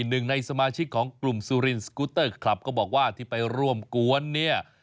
หนึ่งในสมาชิกของกลุ่มสุรินสกูเตอร์คลับก็บอกว่าที่ไปร่วมกวนเนี่ย